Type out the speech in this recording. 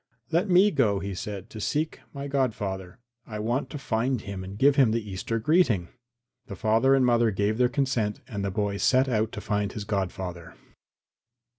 "Let me go," he said, "to seek my godfather. I want to find him and give him the Easter greeting." The father and mother gave their consent and the boy set out to find his godfather.